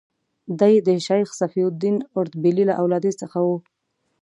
دی د شیخ صفي الدین اردبیلي له اولادې څخه و.